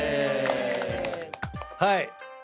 はい。